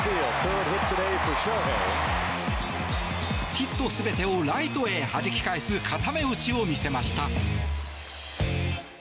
ヒット全てをライトへはじき返す固め打ちを見せました。